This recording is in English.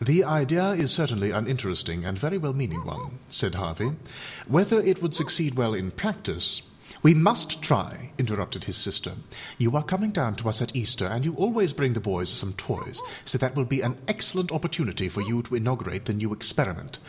â âThe idea is certainly an interesting and very well meaning one,â said Harvey; âwhether it would succeed well in practiceââ âWe must try,â interrupted his sister; âyou are coming down to us at Easter, and you always bring the boys some toys, so that will be an excellent opportunity for you to inaugurate the new experiment.